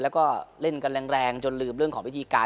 แล้วก็เล่นกันแรงจนลืมเรื่องของวิธีการ